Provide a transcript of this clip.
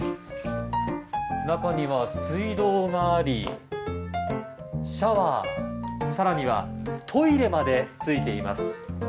中には水道があり、シャワー更にはトイレまでついています。